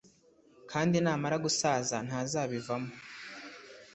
kandi namara gusaza ntazabivamo